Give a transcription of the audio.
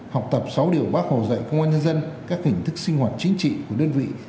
học tập sáu điều bác hồ dạy công an nhân dân các hình thức sinh hoạt chính trị của đơn vị